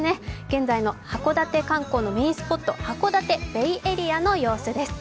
現在の函館観光のメインスポット、函館ベイエリアの様子です。